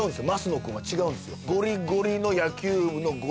升野君は違うんですよ